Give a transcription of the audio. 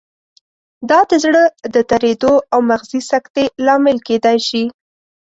دا د زړه د دریدو او مغزي سکتې لامل کېدای شي.